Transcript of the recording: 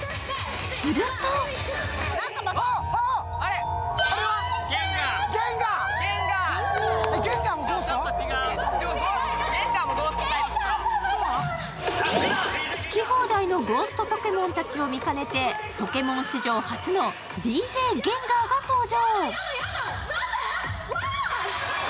すると好き放題のゴーストポケモンたちを見かねて、ポケモン史上初のＤＪゲンガーが登場。